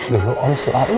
dulu om selalu nusain kamu